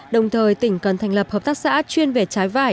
đồng thời tỉnh cần thành lập hợp tác xã chuyên về trái vải